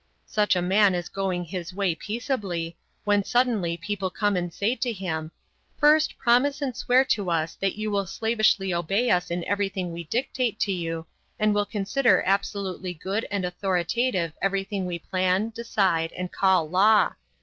Such a man is going his way peaceably, when suddenly people come and say to him: First, promise and swear to us that you will slavishly obey us in everything we dictate to you, and will consider absolutely good and authoritative everything we plan, decide, and call law.